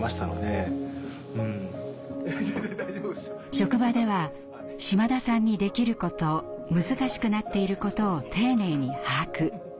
職場では島田さんにできること難しくなっていることを丁寧に把握。